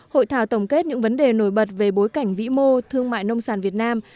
hội thảo tổng kết những vấn đề nổi bật về bối cảnh vĩ mô thương mại nông sản việt nam